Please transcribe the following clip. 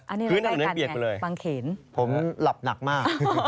อันนี้ในแรกกันไงบางเขนผมหลับหนักมาก